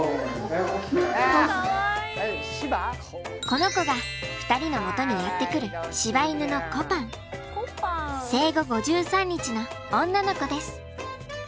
この子が２人のもとにやって来る生後５３日の女の子です。